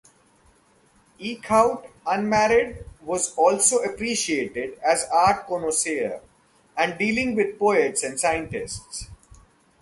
Eeckhout, unmarried, was also appreciated as art connoisseur, and dealing with poets and scientists.